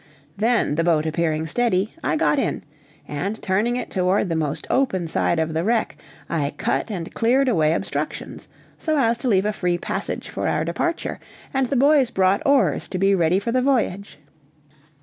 Then the boat appearing steady, I got in; and turning it toward the most open side of the wreck, I cut and cleared away obstructions, so as to leave a free passage for our departure, and the boys brought oars to be ready for the voyage.